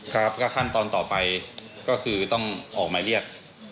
ครับก็ขั้นตอนต่อไปก็คือต้องออกหมายเรียก